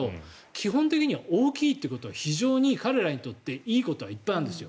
基本的には大きいということは非常に彼らにとっていいことはいっぱいあるんです。